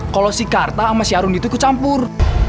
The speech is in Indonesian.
kalau si karta sama si arun itu kecampur